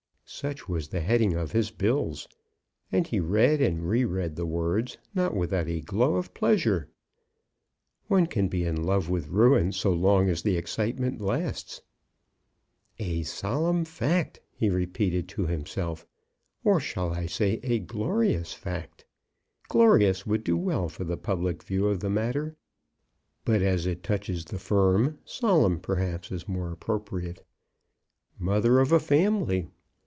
Such was the heading of his bills, and he read and re read the words, not without a glow of pleasure. One can be in love with ruin so long as the excitement lasts. "A Solemn Fact!" he repeated to himself; "or shall I say a Glorious Fact? Glorious would do well for the public view of the matter; but as it touches the firm, Solemn, perhaps, is more appropriate. Mother of a Family!